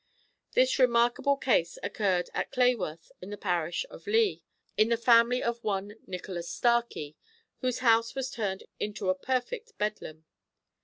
This remarkable case occurred at Clayworth in the parish of Leigh, in the family of one Nicholas Starkie, whose house was turned into a perfect bedlam.